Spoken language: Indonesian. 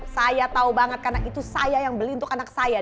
saya tahu banget karena itu saya yang beli untuk anak saya